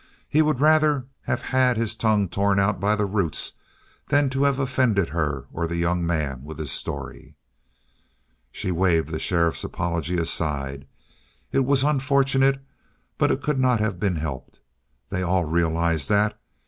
He would rather have had his tongue torn out by the roots than to have offended her or the young man with his story. She waved the sheriff's apology aside. It was unfortunate, but it could not have been helped. They all realized that.